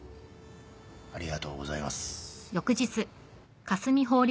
ありがとうございます。